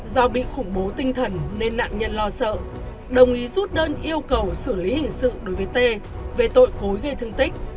do bị khủng bố tinh thần nên nạn nhân lo sợ đồng ý rút đơn yêu cầu xử lý hình sự đối với t về tội cối gây thương tích